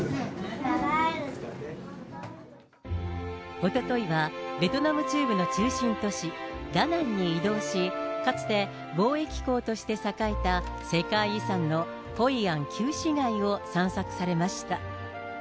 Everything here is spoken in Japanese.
おとといは、ベトナム中部の中心都市、ダナンに移動し、かつて貿易港として栄えた、世界遺産のホイアン旧市街を散策されました。